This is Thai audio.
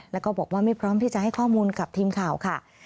แล้วก็บอกว่าไม่พร้อมที่จะให้ข้อมูลกับทีมข่าวค่ะ